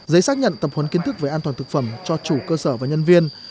giấy xác nhận tập huấn kiến thức về an toàn thực phẩm cho chủ cơ sở và nhân viên